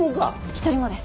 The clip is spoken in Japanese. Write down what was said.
１人もです。